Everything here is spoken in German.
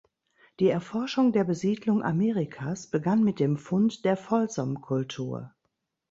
Die Erforschung der Besiedlung Amerikas begann mit dem Fund der Folsom-Kultur.